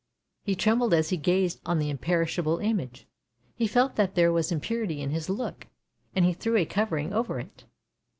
He trembled as he gazed on the imperishable image; he felt that there was impurity in his look, and he threw a covering over it.